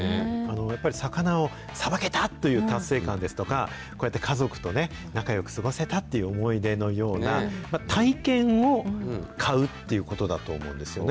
やっぱり、魚をさばけたという達成感ですとか、こうやって家族と仲よく過ごせたという思い出のような、体験を買うということだと思うんですよね。